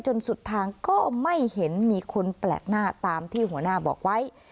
สุดทางก็ไม่เห็นมีคนแปลกหน้าตามที่หัวหน้าบอกไว้